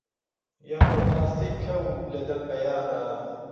یا خۆ قاسپەی کەو لەدەم بەیانا